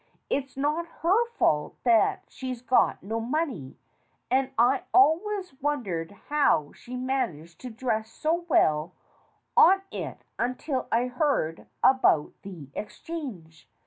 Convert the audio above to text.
It's not her fault that she's got no money, and I always wondered how she managed to dress so well on it until I heard about the Exchange.